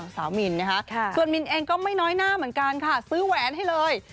สาวมินนะคะส่วนมินเองก็ไม่น้อยหน้าเหมือนกันค่ะซื้อแหวนให้เลย